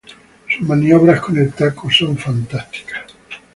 Sus maniobras con el taco son fantásticas.